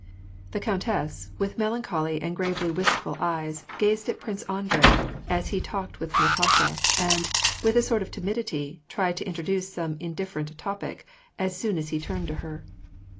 The countess, with melancholy and gravely wist ful eyes, gazed at Prince Andrei, as he talked with Natasha, and, with a sort of timidity, tried to introduce some indifferent topic, as soon as he turned to her.